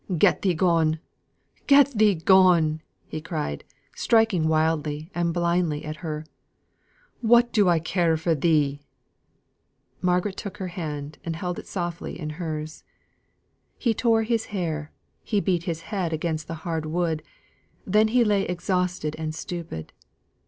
"Get thee gone! get thee gone!" he cried, striking wildly and blindly at her. "What do I care for thee?" Margaret took her hand and held it softly in hers. He tore his hair, he beat his head against the hard wood, then he lay exhausted and stupid.